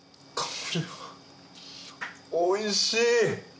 おいしい！